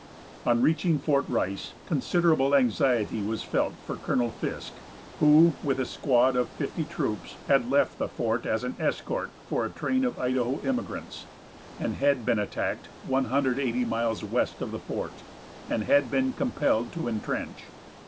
On reaching Fort Rice, considerable anxiety was felt for Colonel Fisk, who, with a squad of fifty troops, had left the fort as an escort for a train of Idaho immigrants, and had been attacked 180 miles west of the fort, and had been compelled to intrench.